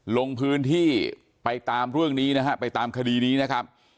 ลงพื้นที่ไปตามเรื่องนี้นะฮะไปตามคดีนี้นะครับ